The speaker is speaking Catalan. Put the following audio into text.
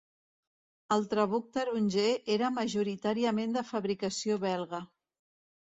El Trabuc Taronger era majoritàriament de fabricació belga.